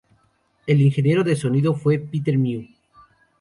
El ingeniero de sonido fue Peter Mew.